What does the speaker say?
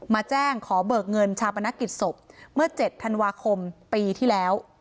มาแจ้งขอเบิกเงินชาปนกิจศพเมื่อ๗ธันวาคมปีที่แล้ว